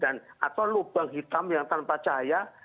dan atau lubang hitam yang tanpa cahaya